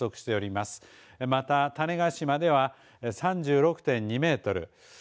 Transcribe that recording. また、種子島では３６．２メートル。